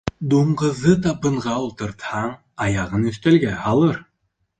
Дуңғыҙҙы табынға ултыртһаң, аяғын өҫтәлгә һалыр.